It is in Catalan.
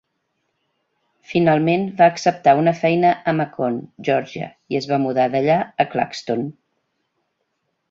Finalment va acceptar una feina a Macon, Georgia, i es va mudar d'allà a Claxton.